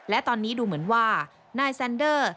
และตอนนี้ดูเหมือนว่านายแซนเดอร์